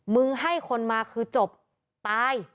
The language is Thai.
ให้คนมาคือจบตาย